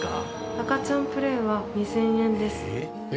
赤ちゃんプレイは２０００円です。